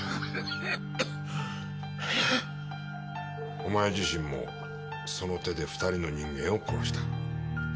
お前自身もその手で２人の人間を殺した。